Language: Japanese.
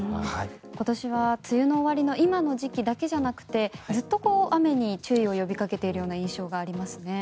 今年は梅雨の終わりの今の時期だけじゃなくて、ずっと注意を呼びかけているような印象がありますね。